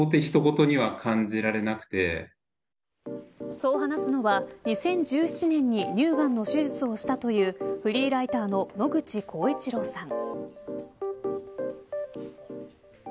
そう話すのは、２０１７年に乳がんの手術をしたというフリーライターの野口晃一郎さん。